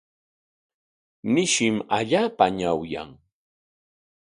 Mishim allaapa ñawyan.